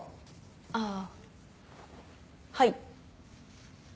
ああはい。